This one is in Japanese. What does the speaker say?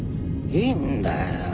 いんだよ。